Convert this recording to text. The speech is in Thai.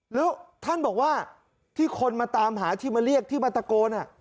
แล้วท่านบอกว่าที่คนมาตามหาที่มาเรียกที่มาตะโกน